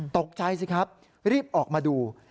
ตกใจสิครับรีบออกมาดู